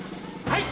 はい！